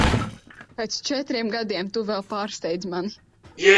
Pēc četriem gadiem tu vēl pārsteidz mani.